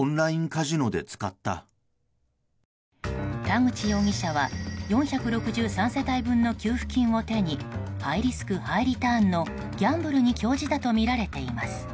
田口容疑者は４６３世帯分の給付金を手にハイリスク・ハイリターンのギャンブルに興じたとみられています。